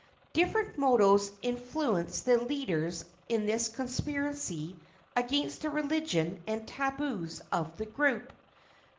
Different motives influenced the leaders in this conspiracy against the religion and tabus of the group.